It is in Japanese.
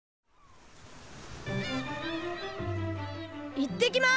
いってきます！